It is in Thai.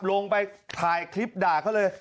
ลงไปถ่ายคลิปด่าเขาเลย